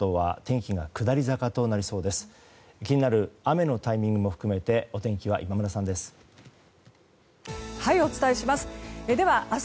気になる雨のタイミングを含めお天気は今村さんです。